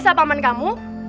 setelah paman kamu